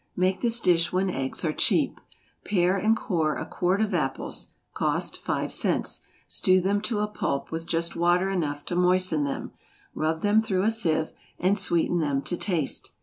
= Make this dish when eggs are cheap. Pare and core a quart of apples, (cost five cents,) stew them to a pulp with just water enough to moisten them, rub them through a seive, and sweeten them to taste.